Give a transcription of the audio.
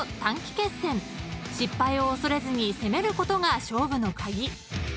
［失敗を恐れずに攻めることが勝負の鍵］